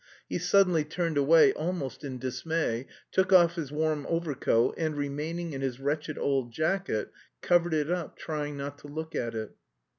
He suddenly turned away almost in dismay, took off his warm overcoat, and, remaining in his wretched old jacket, covered it up, trying not to look at it.